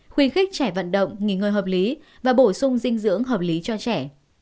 khuyến khích trẻ vận động nghỉ ngơi hợp lý và bổ sung dinh dưỡng hợp lý cho trẻ